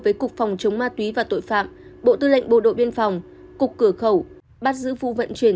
với cục phòng chống ma túy và tội phạm bộ tư lệnh bộ đội biên phòng cục cửa khẩu bắt giữ vụ vận chuyển